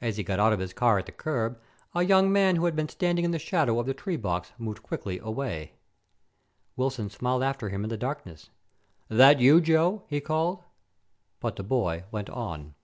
As he got out of his car at the curb, a young man who had been standing in the shadow of the tree box moved quickly away. Wilson smiled after him in the darkness. "That you, Joe?" he called. But the boy went on.